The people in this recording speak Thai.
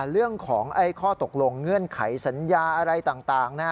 เรื่องของข้อตกลงเงื่อนไขสัญญาอะไรต่าง